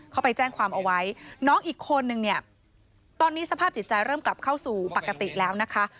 เขาไปแจ้งความเอาไว้น้องอีกคนนึงเนี่ยตอนนี้สภาพจิตใจเริ่มกลับเข้าสู่ปกติแล้วนะคะ